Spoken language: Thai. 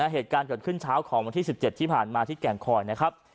เหตุการณ์เกิดขึ้นเช้าของวันที่๑๗ที่ผ่านมาที่แก่งคอยนะครับ